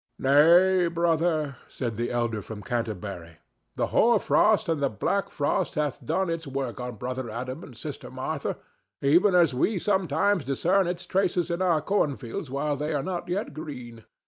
"Nay, brother," said the elder from Canterbury; "the hoar frost and the black frost hath done its work on Brother Adam and Sister Martha, even as we sometimes discern its traces in our cornfields while they are yet green.